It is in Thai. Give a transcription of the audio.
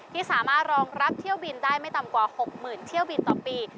ที่สามารถรองรับเที่ยวบินได้ไม่ต่ำกว่า๖๐๐๐เที่ยวบินต่อปี